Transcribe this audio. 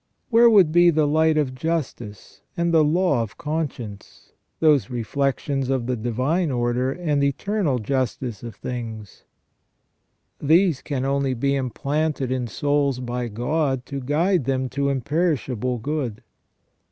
Where would be the light of justice and the law of conscience, those reflections of the divine order and eternal justice of things ? These can only be implanted in souls by God to guide them to imperishable good.